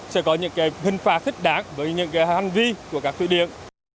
sẽ có những hình phạt thích đáng với những hành vi của các thủy điện